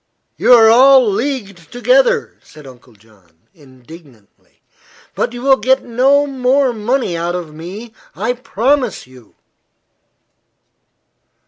"You are all leagued together," said Uncle John, indignantly. "But you will get no more money out of me, I promise you."